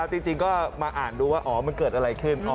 จริงก็มาอ่านดูว่าอ๋อมันเกิดอะไรขึ้น